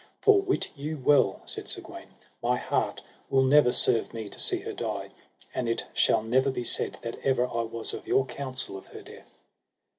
For wit you well, said Sir Gawaine, my heart will never serve me to see her die; and it shall never be said that ever I was of your counsel of her death.